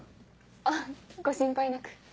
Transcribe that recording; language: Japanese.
あっご心配なく。